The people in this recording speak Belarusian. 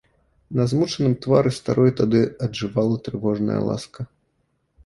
На змучаным твары старой тады аджывала трывожная ласка.